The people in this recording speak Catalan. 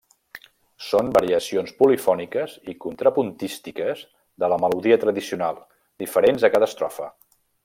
Són variacions polifòniques i contrapuntístiques de la melodia tradicional, diferents a cada estrofa.